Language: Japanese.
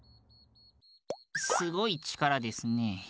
すごいちからですね。